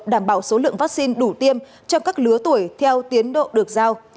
đảm bảo số lượng vaccine đủ tiêm cho các lứa tuổi theo tiến độ được giao